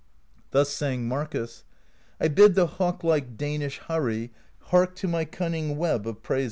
Thus sang Markus : I bid the hawklike Danish Harri Hark to my cunning web of praises.